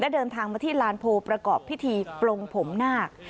เดินทางมาที่ลานโพประกอบพิธีปลงผมนาค